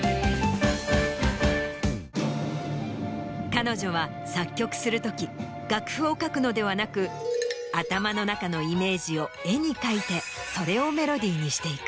彼女は作曲する時楽譜を書くのではなく頭の中のイメージを絵に描いてそれをメロディーにしていく。